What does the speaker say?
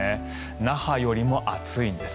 那覇よりも暑いんです。